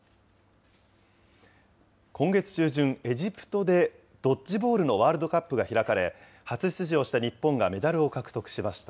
今月中旬、エジプトでドッジボールのワールドカップが開かれ、初出場した日本がメダルを獲得しました。